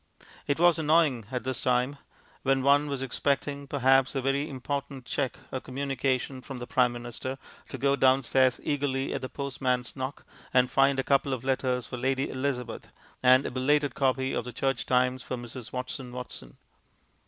It was annoying at this time, when one was expecting, perhaps, a very important cheque or communication from the Prime Minister, to go downstairs eagerly at the postman's knock and find a couple of letters for Lady Elizabeth and a belated copy of the Church Times for Mrs. Watson Watson.